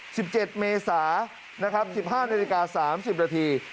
สิบเจ็ดเมษานะครับสิบห้านาฬิกาสามสิบนาที